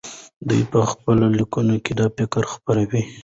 دی په خپلو لیکنو کې دا فکر خپروي.